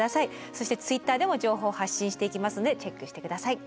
そしてＴｗｉｔｔｅｒでも情報を発信していきますのでチェックして下さい。